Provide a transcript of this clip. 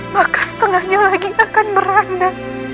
maka setengahnya lagi akan meranda